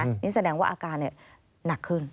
นี่แสดงว่าอาการหนักขึ้น